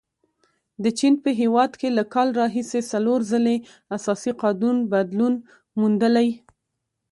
د چین په هیواد کې له کال راهیسې څلور ځلې اساسي قانون بدلون موندلی.